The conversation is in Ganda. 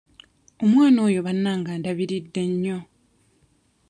Omwana oyo bannange andabiridde nnyo.